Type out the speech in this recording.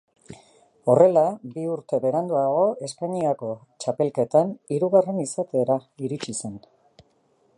Horrela, bi urte beranduago Espainiako txapelketan hirugarren izatera iritsi zen.